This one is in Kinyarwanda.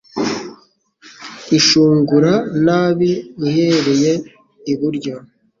ishungura nabi uhereye iburyo